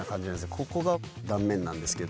ここが断面なんですけど。